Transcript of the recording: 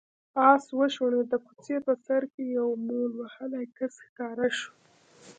آس وشڼېد، د کوڅې په سر کې يو مول وهلی کس ښکاره شو.